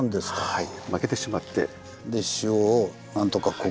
はい。